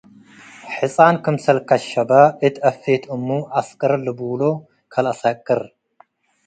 “ሕጻን ክምሰል ትከሸበ እት አፌት እሙ አስቅር ልቡሎ ከለአሰቅር ።